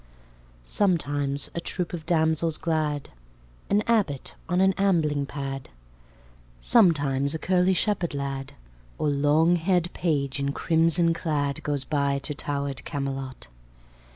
Sometimes a troop of damsels glad, An abbot on an ambling pad, Sometimes a curly shepherd lad, Or longhaired page, in crimson clad, Goes by to towered Camelot.